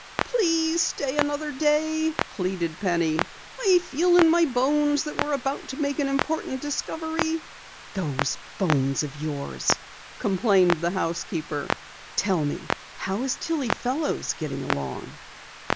"Please stay another day," pleaded Penny. "I feel in my bones that we're about to make an important discovery." "Those bones of yours!" complained the housekeeper. "Tell me, how is Tillie Fellows getting along?"